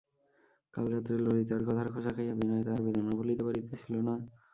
কাল রাত্রে ললিতার কথার খোঁচা খাইয়া বিনয় তাহার বেদনা ভুলিতে পারিতেছিল না।